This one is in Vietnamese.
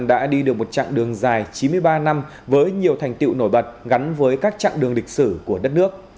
đã đi được một chặng đường dài chín mươi ba năm với nhiều thành tiệu nổi bật gắn với các chặng đường lịch sử của đất nước